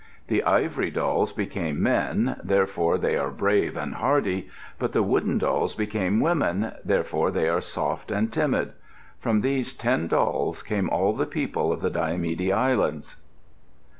The ivory dolls became men, therefore they are brave and hardy; but the wooden dolls became women, therefore they are soft and timid. From these ten dolls came all the people of the Diomede Islands.